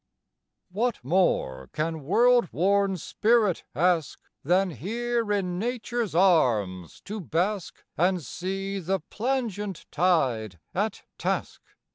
I. What more can world worn spirit ask Than here in nature's arms to bask And see the plangent tide at task?